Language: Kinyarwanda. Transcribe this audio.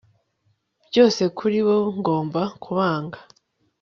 Byose kuri bo ngomba kubanga